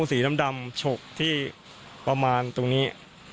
สีดำฉกที่ประมาณตรงนี้